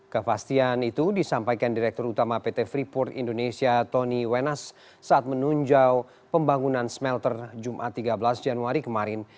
kepastian itu disampaikan direktur utama pt freeport indonesia tony wenas saat menunjang pembangunan smelter jumat tiga belas januari kemarin